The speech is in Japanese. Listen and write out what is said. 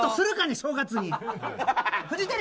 正月に！